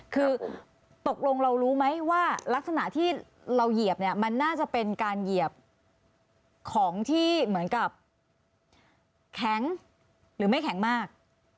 คือตกลงเรารู้ไหมว่ารักษณะที่เราเหยียบเนี่ยมันน่าจะเป็นการเหยียบของที่เหมือนกับแข็งหรือไม่แข็งมาก